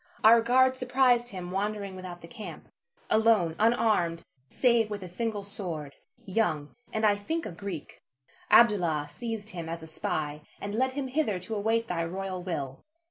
Our guard surprised him wandering without the camp, alone, unarmed, save with a single sword; young, and I think a Greek. Abdallah seized him as a spy, and led him hither to await thy royal will.